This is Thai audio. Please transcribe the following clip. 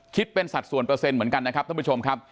คิดเป็นสัดส่วนเปอร์เซ็นต์เหมือนกันนะครับท่านผู้ชมครับ